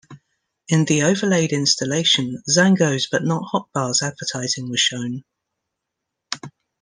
In the overlaid installation, Zango's but not Hotbar's, advertising was shown.